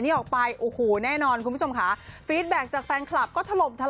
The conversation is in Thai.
อยากได้ผู้ชายใช่ไหม